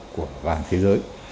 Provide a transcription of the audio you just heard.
của vàng miếng